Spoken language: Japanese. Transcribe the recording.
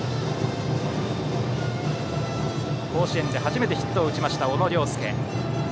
甲子園で初めてヒットを打った小野涼介。